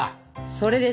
それです。